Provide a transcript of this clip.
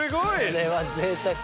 これはぜいたく。